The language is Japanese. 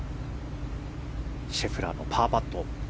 シェフラーのパーパット。